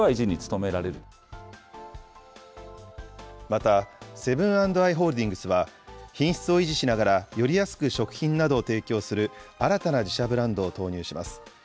また、セブン＆アイ・ホールディングスは品質を維持しながら、より安く食品などを提供する新たな自社ブランドを投入します。